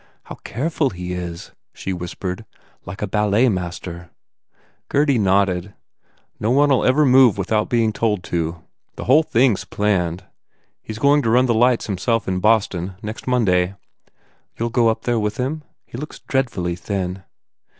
"How careful he is," she whispered, Tike a ballet master." Gurdy nodded, u No one ll move without being told to. The whole thing s planned. He s going to run the lights himself in Boston, next Mon day." " You ll go up there with him? He looks dreadfully thin."